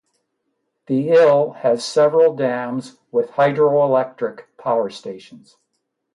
The Ill has several dams with hydroelectric power stations.